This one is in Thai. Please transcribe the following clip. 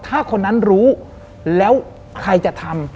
ถ้าคนนั้นรู้แล้วใครจะทำ